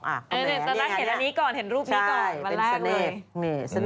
เออฮึตอนนี้เห็นอันนี้ก่อนเห็นรูปนี้ก่อน